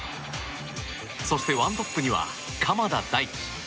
そして１トップには鎌田大地。